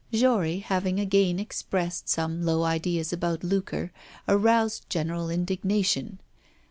Jory, having again expressed some low ideas about lucre, aroused general indignation.